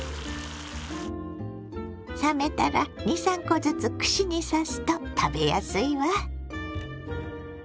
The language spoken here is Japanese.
冷めたら２３コずつ串に刺すと食べやすいわ。